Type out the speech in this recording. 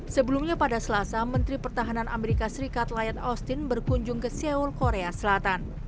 sebelumnya pada selasa menteri pertahanan amerika serikat layat austin berkunjung ke seoul korea selatan